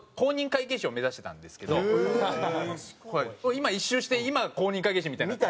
今一周して今公認会計士みたいになって。